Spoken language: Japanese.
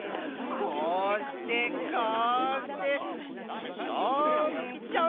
こうしてこうしてチョンチョンと。